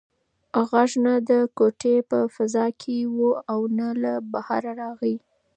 غږ نه د کوټې په فضا کې و او نه له بهره راغی.